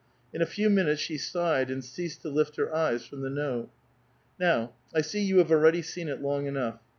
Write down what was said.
In a few minutes she sighed and ceased to lift her e.ves from the note. Now, I see you have already seen it long enough.